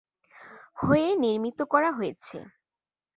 হয়ে নির্মিত করা হয়েছে।